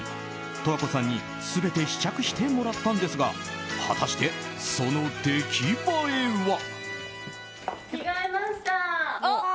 十和子さんに全て試着してもらったんですが果たして、その出来栄えは。